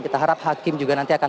kita harap hakim juga nanti akan